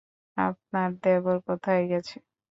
আপনার দেবর কোথায় গেছে?